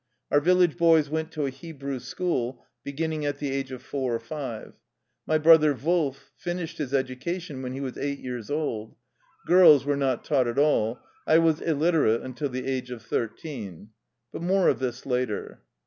Our village boys went to a Hebrew school, beginning at the age of four or йте. My brother Wolf "finished" his edu cation when he was eight years old. Girls were not taught at all. I was illiterate until the age of thirteen. But more of this later.